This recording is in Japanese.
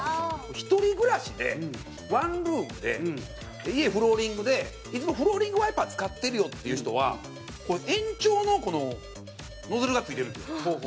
一人暮らしでワンルームで家、フローリングでいつもフローリングワイパー使ってるよっていう人は延長のノズルが付いてるんですよ。